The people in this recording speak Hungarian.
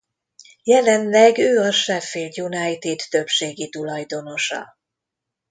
Jelenleg ő a Sheffield United többségi tulajdonosa.